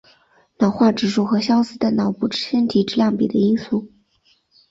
脑化指数和相似的脑部身体质量比的因素。